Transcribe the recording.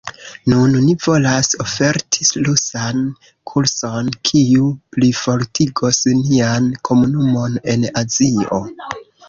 Nun ni volas oferti rusan kurson, kiu plifortigos nian komunumon en Azio.